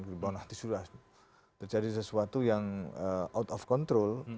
dimana nanti sudah terjadi sesuatu yang out of control